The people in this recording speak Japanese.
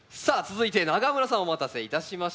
続いて永村さんお待たせいたしました。